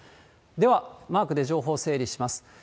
では、マークで情報を整理します。